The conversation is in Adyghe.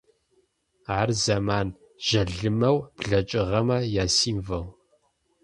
Ар зэман жъалымэу блэкӏыгъэмэ ясимвол.